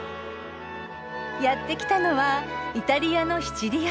やって来たのはイタリアのシチリア島。